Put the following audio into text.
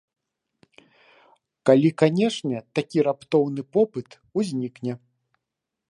Калі, канешне, такі раптоўны попыт узнікне.